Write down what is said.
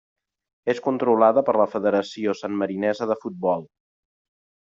És controlada per la Federació Sanmarinesa de Futbol.